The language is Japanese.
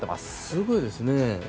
すごいですね。